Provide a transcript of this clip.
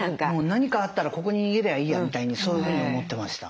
何かあったらここに逃げりゃいいやみたいにそういうふうに思ってました。